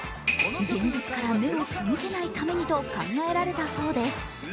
現実から目を背けないためにと考えられたそうです。